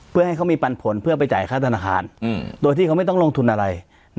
เพื่อให้เขามีปันผลเพื่อไปจ่ายค่าธนาคารโดยที่เขาไม่ต้องลงทุนอะไร